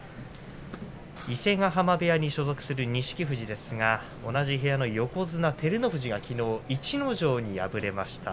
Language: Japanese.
伊勢ヶ濱部屋に所属する錦富士ですが同じ部屋の横綱照ノ富士はきのう逸ノ城に敗れました。